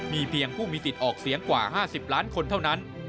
มีเพียงผู้มีสิทธิ์ออกเสียงกว่า๕๐ล้านคนเท่านั้น